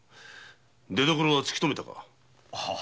出所は突きとめたか？